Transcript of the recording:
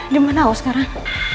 di mana aku sekarang